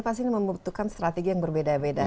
pasti ini membutuhkan strategi yang berbeda beda